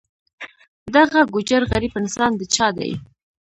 دغه ګوجر غریب انسان د چا دی.